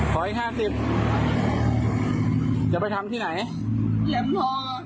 ก่อนอีก๕๐บาทอยากไปทำที่ไหนเหล่าพ่อ